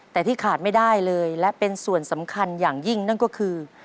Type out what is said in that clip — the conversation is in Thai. แต่ที่ขาดไม่ได้เลยและเป็นส่วนสำคัญอย่างยิ่งนั่นก็คือ